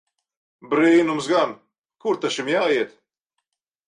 Brīnums gan! Kur ta šim jāiet!